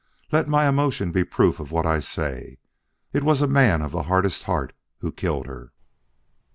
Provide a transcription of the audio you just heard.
Let my emotion be proof of what I say. It was a man of the hardest heart who killed her."